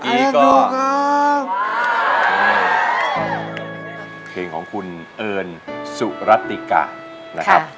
นี่ก็เพลงของคุณเอิญสุรติกะนะครับ